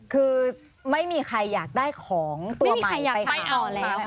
คือไม่มีใครอยากได้ของตัวใหม่ไปขอแล้วไม่มีใครอยากไปเอา